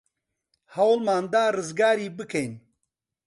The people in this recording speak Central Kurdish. هەوڵمان دا ڕزگاری بکەین.